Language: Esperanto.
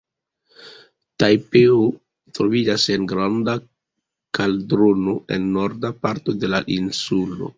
Tajpeo troviĝas en granda kaldrono en norda parto de la insulo.